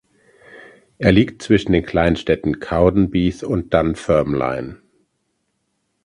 Er liegt zwischen den Kleinstädten Cowdenbeath und Dunfermline.